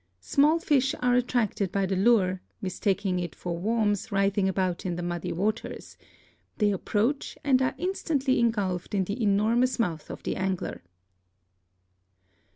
Small fish are attracted by the lure, mis taking it for worms writhing about in the muddy waters; they approach and are instantly engulfed in the enormous mouth of the Angler.